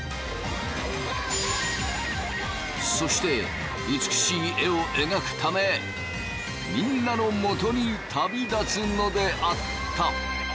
そして美しい絵を描くためみんなのもとに旅立つのであった。